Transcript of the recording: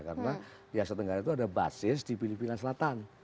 karena di asia tenggara itu ada basis di filipina selatan